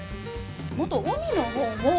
もっと海のほうも。